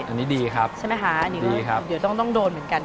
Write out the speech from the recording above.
อันนี้ดีครับใช่ไหมคะอันนี้เดี๋ยวต้องโดนเหมือนกัน